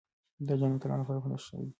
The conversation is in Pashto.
دا جام د اتلانو لپاره په نښه شوی دی.